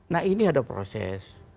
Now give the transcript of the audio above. nah ini ada proses